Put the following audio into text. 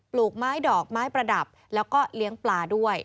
ลูกไม้ดอกไม้ประดับแล้วก็เลี้ยงปลาด้วย